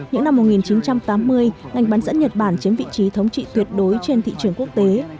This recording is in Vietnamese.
những năm một nghìn chín trăm tám mươi ngành bán dẫn nhật bản chiếm vị trí thống trị tuyệt đối trên thị trường quốc tế